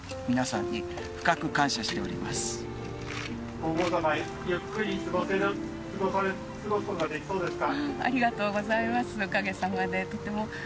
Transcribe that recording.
皇后さまゆっくり過ごすことができそうですか？